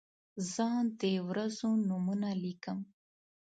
زه د ورځو نومونه لیکم.